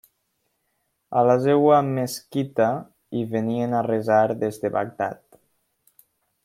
A la seva mesquita hi venien a resar des de Bagdad.